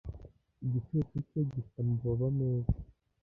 igicucu cye gifite amababa meza